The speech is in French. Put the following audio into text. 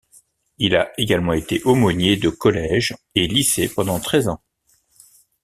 Il a également été aumônier de collèges et lycée pendant treize ans.